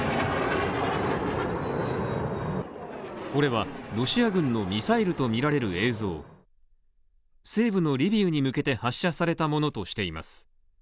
これは、ロシア軍のミサイルとみられる映像西部のリビウに向けて発射されたものとしています。